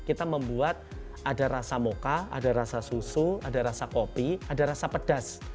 kita membuat ada rasa moka ada rasa susu ada rasa kopi ada rasa pedas